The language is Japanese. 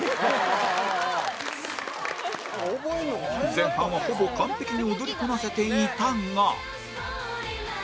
前半はほぼ完璧に踊りこなせていたが